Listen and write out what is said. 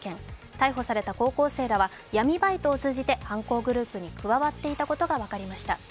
逮捕された高校生らは闇バイトを通じて犯行グループに加わっていたことが分かりました。